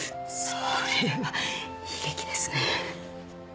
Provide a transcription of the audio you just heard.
それは悲劇ですね。